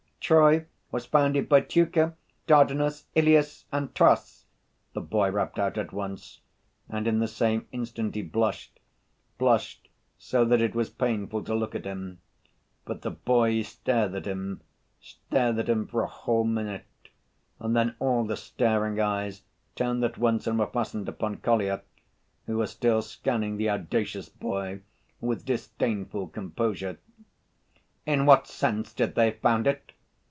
"Troy was founded by Teucer, Dardanus, Ilius and Tros," the boy rapped out at once, and in the same instant he blushed, blushed so, that it was painful to look at him. But the boys stared at him, stared at him for a whole minute, and then all the staring eyes turned at once and were fastened upon Kolya, who was still scanning the audacious boy with disdainful composure. "In what sense did they found it?"